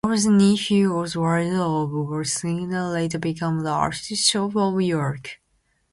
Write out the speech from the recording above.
Oda's nephew Oswald of Worcester later became Archbishop of York.